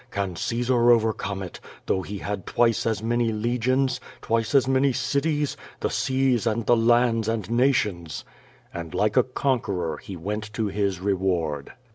Can Caesar over come it, though he had twice as many legions, twice as many cities, the seas and the lands and nations?" And like a conqueror he went to his reward.